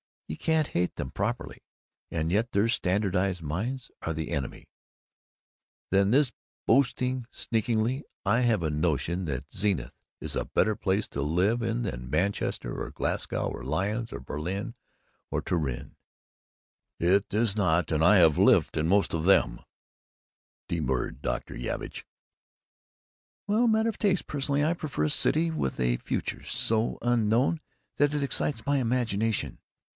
You can't hate them properly, and yet their standardized minds are the enemy. "Then this boosting Sneakingly I have a notion that Zenith is a better place to live in than Manchester or Glasgow or Lyons or Berlin or Turin " "It is not, and I have lift in most of them," murmured Dr. Yavitch. "Well, matter of taste. Personally, I prefer a city with a future so unknown that it excites my imagination.